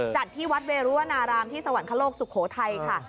จัดที่วัดเวรุวนารามที่สวรรคโลกสุโขทัยค่ะ